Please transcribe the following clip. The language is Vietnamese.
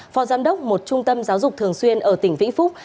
phó giám đốc một trung tâm giáo dục thường xuyên ở tỉnh vĩnh phúc